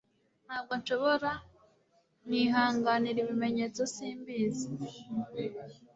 Ntabwo nshobora nihanganira ibimenyetso simbizi